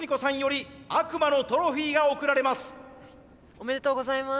おめでとうございます。